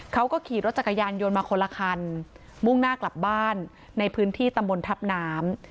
เขาก็ขี่รถจักรยานยนต์มาคนละคันมุ่งหน้ากลับบ้านในพื้นที่ตำบลทัพน้ำ